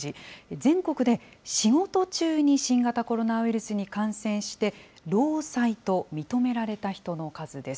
全国で仕事中に新型コロナウイルスに感染して、労災と認められた人の数です。